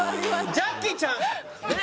ジャッキーちゃんねえ！